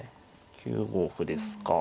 ９五歩ですか。